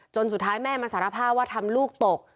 สุดท้ายแม่มาสารภาพว่าทำลูกตก